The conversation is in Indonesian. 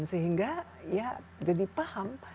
sehingga ya jadi paham